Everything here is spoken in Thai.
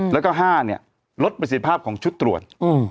แล้วก็๕ลดประสิทธิภาพของชุดตรวจ